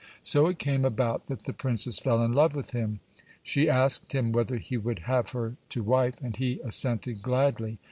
So it came about that the princess fell in love with him. She asked him whether he would have her to wife, and he assented gladly.